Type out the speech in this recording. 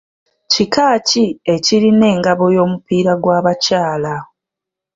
Kika ki ekirina engabo y’omupiira gw’abakyala?